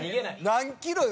何キロよ？